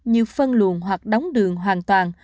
như phân luồn hoặc đóng đường hoàn toàn